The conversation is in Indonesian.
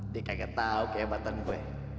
dia kaget tau kehaibatan gue